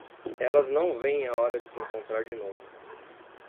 Elas não veem a hora de se encontrar de novo.